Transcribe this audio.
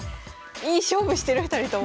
いい勝負してる２人とも。